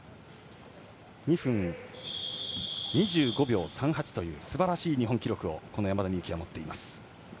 ２分２５秒３８というすばらしい日本記録を山田美幸は持っています。